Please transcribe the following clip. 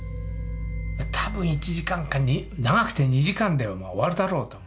多分１時間か長くて２時間で終わるだろうと。